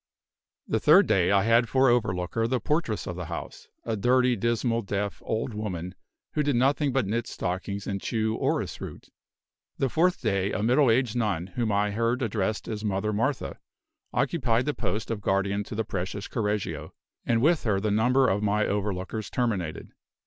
The third day, I had for overlooker the portress of the house a dirty, dismal, deaf, old woman, who did nothing but knit stockings and chew orris root. The fourth day, a middle aged nun, whom I heard addressed as Mother Martha, occupied the post of guardian to the precious Correggio; and with her the number of my overlookers terminated.